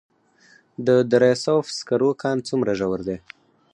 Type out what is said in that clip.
د دره صوف سکرو کان څومره ژور دی؟